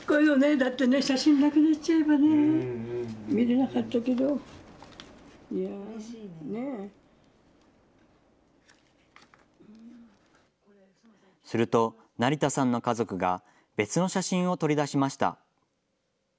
だってね、写真なくなっちすると、成田さんの家族が別の写真を取り出しました。